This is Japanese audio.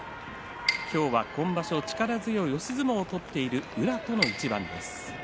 今日は今場所、力強い押し相撲を取っている宇良との一番です。